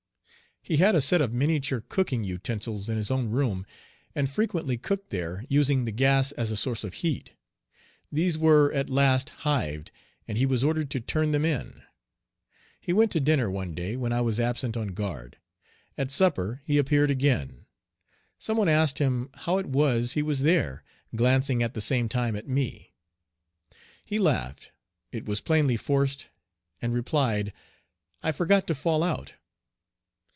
He had a set of miniature cooking utensils in his own room, and frequently cooked there, using the gas as a source of heat. These were at last "hived," and he was ordered to " turn them in. He went to dinner one day when I was absent on guard. At supper he appeared again. Some one asked him how it was he was there, glancing at the same time at me. He laughed it was plainly forced and replied, "I forgot to fall out."